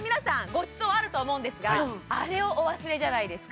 ごちそうあると思うんですがあれをお忘れじゃないですか？